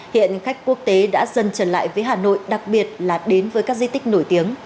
hiện khách quốc tế đã dần trở lại với hà nội đặc biệt là đến với các di tích nổi tiếng